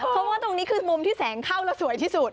เพราะว่าตรงนี้คือมุมที่แสงเข้าแล้วสวยที่สุด